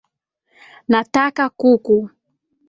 Nataka kuku